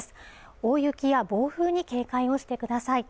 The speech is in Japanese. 大雪や暴風に警戒をしてください